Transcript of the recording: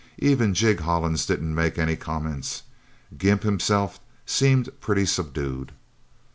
Even Jig Hollins didn't make any comments. Gimp, himself, seemed pretty subdued.